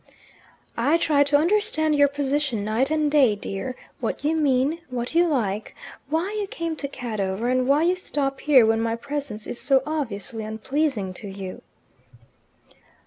"I try to understand your position night and day dear what you mean, what you like, why you came to Cadover, and why you stop here when my presence is so obviously unpleasing to you."